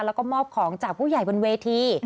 แล้วก็มอบของจากผู้ใหญ่บนเวที